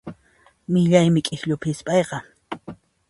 Millaymi k'ikllupi hisp'ayqa.